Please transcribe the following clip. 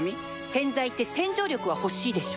洗剤って洗浄力は欲しいでしょ